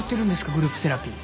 グループセラピー。